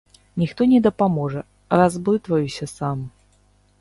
Ніхто не дапаможа, разблытваюся сам.